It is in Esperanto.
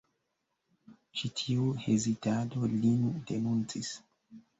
Ĉi tiu hezitado lin denuncis.